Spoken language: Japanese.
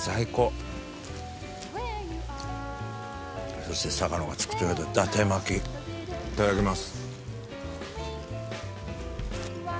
そして坂野が作ってくれた伊達巻いただきます。